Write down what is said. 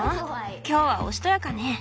今日はおしとやかね。